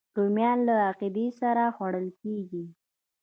رومیان له عقیدې سره خوړل کېږي